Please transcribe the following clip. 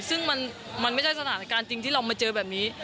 ซึ่งมันไม่ใช่สถานการณ์จริงที่เรามาเจอแบบนี้